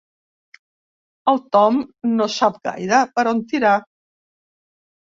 El Tom no sap gaire per on tirar.